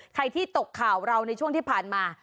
ที่ตกข่าวเราในช่วงที่ผ่านมา